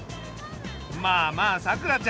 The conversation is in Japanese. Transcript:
まあまあさくらちゃん